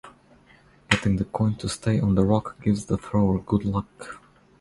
Getting the coin to stay on the rock gives the thrower 'good luck'.